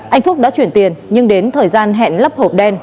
anh phúc đã chuyển tiền nhưng đến thời gian hẹn lắp hộp đen